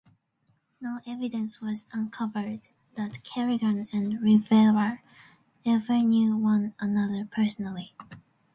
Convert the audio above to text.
No evidence was uncovered that Kerrigan and Rivera ever knew one another personally.